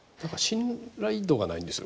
信頼度がないんですよ。